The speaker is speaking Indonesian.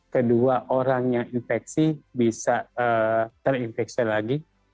kedua orang yang infeksi bisa terinfeksi lagi